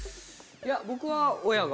いや僕は親が。